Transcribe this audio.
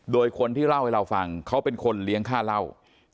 โดยคนที่เล่าให้เราฟังเขาเป็นคนเลี้ยงค่าเหล้า